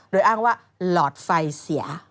โดยอ้างว่าหลอดไฟเสีย